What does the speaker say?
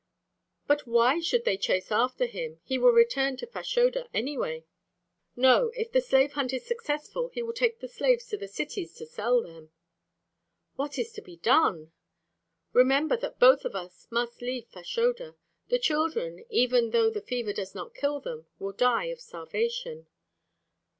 "But why should they chase after him? He will return to Fashoda anyway." "No. If the slave hunt is successful, he will take the slaves to the cities to sell them " "What is to be done?" "Remember that both of us must leave Fashoda. The children, even though the fever does not kill them, will die of starvation."